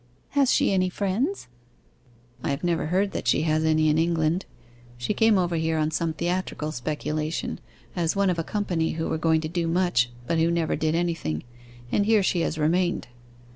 'Has she any friends?' 'I have never heard that she has any in England. She came over here on some theatrical speculation, as one of a company who were going to do much, but who never did anything; and here she has remained.